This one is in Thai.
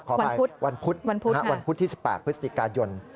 ขอบายวันพุธที่๑๘พฤศจิกายน